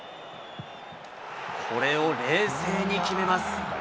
これを冷静に決めます。